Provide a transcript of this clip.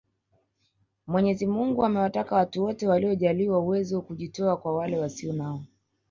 Mwenyezi Mungu amewataka watu wote waliojaliwa uwezo kujitoa kwa wale wasio nao